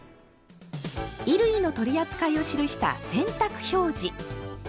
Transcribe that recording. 衣類の取り扱いを記した「洗濯表示」。